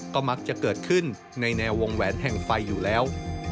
ก็มักจะเกิดขึ้นในแนววงแหวนแห่งไฟอยู่แล้ว